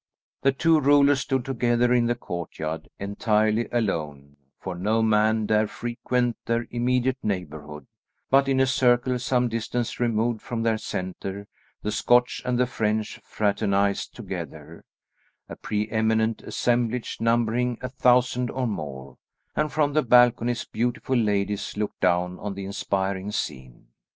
The two rulers stood together in the courtyard, entirely alone, for no man dare frequent their immediate neighbourhood; but in a circle some distance removed from their centre, the Scotch and the French fraternised together, a preeminent assemblage numbering a thousand or more; and from the balconies beautiful ladies looked down on the inspiring scene.